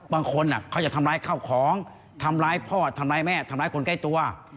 บางคนเขาจะทำร้ายข้าวของทำร้ายพ่อทำร้ายแม่ทำร้ายคนใกล้ตัว